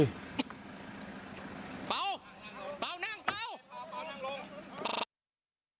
เป่าเป่านั่งเป่า